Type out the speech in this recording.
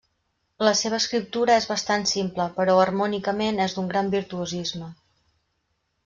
La seva escriptura és bastant simple, però harmònicament és d'un gran virtuosisme.